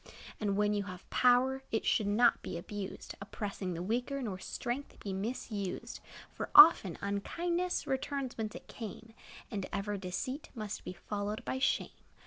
And when you have power, It should not be abused, Oppressing the weaker, Nor strength be misused. For, often, unkindness Returns whence it came; And ever deceit must Be followed by shame.